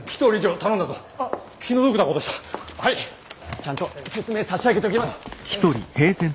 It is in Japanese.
ちゃんと説明差し上げときます！